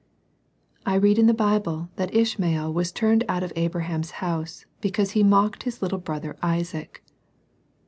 I read in the Bible that Ishmael was turned out of Abraham's house because he mocked his little brother Isaac.